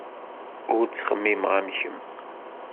Ur ttxemmimeɣ am kemm.